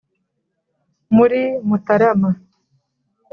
muri mutarama